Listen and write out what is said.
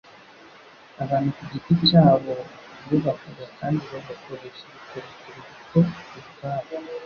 abantu ku giti cyabo bubakaga kandi bagakoresha ubukorikori buto ubwabo